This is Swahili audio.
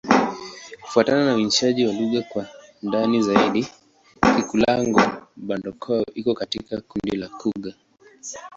Kufuatana na uainishaji wa lugha kwa ndani zaidi, Kikulango-Bondoukou iko katika kundi la Kigur.